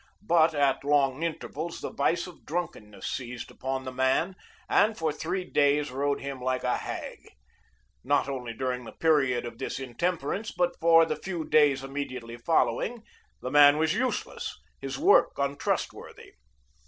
But at long intervals the vice of drunkenness seized upon the man and for three days rode him like a hag. Not only during the period of this intemperance, but for the few days immediately following, the man was useless, his work untrustworthy.